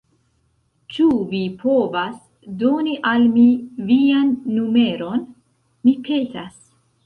Ĉu vi povas doni al mi vian numeron? Mi petas